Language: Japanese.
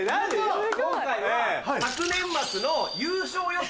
今回は昨年末の優勝予想